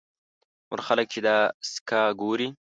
نور خلک چې دا سکه ګوري.